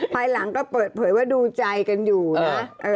ภายหลังก็เปิดเผยว่าดูใจกันอยู่นะ